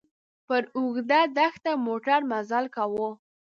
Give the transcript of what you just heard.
پر اوږده دښته موټر مزل کاوه.